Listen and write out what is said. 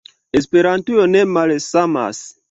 Esperantujo ne malsamas.